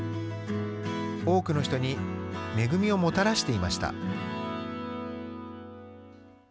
多くの人に恵みをもたらしていました。